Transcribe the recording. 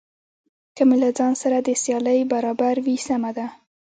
که مې له ځان سره د سیالۍ برابر وي سمه ده.